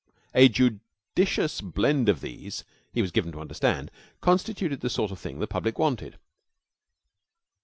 A judicious blend of these, he was given to understand, constituted the sort of thing the public wanted.